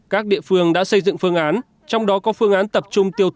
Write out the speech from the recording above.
các địa phương đã xây dựng phương án trong đó có phương án tập trung tiêu thụ thị trường trong nước